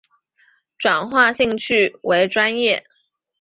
转化兴趣为专业